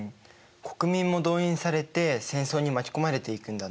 国民も動員されて戦争に巻き込まれていくんだね。